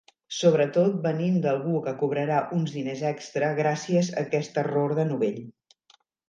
Sobretot venint d'algú que cobrarà uns diners extra gràcies a aquest error de novell.